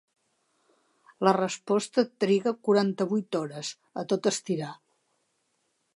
La resposta triga quaranta-vuit hores, a tot estirar.